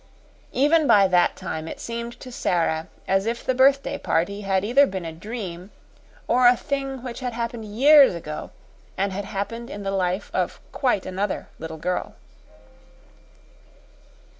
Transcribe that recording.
Even by that time it seemed to Sara as if the birthday party had either been a dream or a thing which had happened years ago, and had happened in the life of quite another little girl.